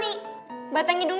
bisa kita dasar